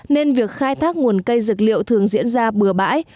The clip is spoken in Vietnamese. nên việc khai thác nguồn cây dược liệu thường diễn ra bừa bãi